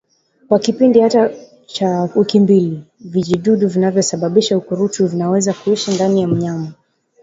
Kwa kipindi hata cha wiki mbili vijidudu vinavyosababisa ukurutu vinaweza kuishi ndani ya mnyama